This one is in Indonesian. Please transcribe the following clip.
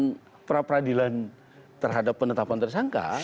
gugatan peradilan terhadap penetapan tersangka